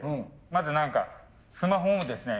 まず何かスマホをですね